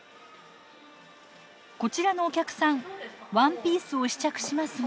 こちらのお客さんワンピースを試着しますが。